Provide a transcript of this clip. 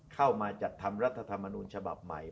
เข้ามาจัดทำรัฐธรรมนูญฉบับใหม่